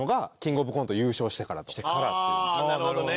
ああなるほどね。